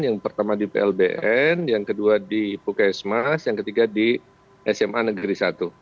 yang pertama di plbn yang kedua di pukesmas yang ketiga di sma negeri satu